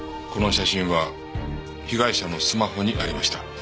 この写真は被害者のスマホにありました。